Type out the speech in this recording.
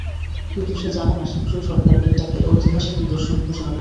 কিন্তু সে জানেনা, শীঘ্রই সরকার এইটাকে, ঐতিহাসিক নিদর্শন ঘোষণা করবে।